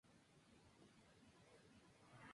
Silva perdió la pelea por nocaut en la primera ronda.